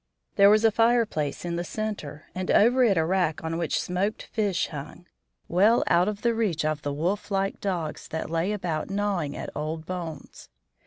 There was a fireplace in the center, and over it a rack on which smoked fish hung, well out of the reach of the wolf like dogs that lay about gnawing at old bones.